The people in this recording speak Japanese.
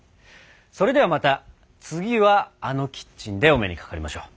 それではまた次はあのキッチンでお目にかかりましょう。